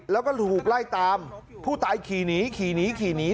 แล้วก็ถูกไล่ตามผู้ตายขี่หนีขี่หนีขี่หนี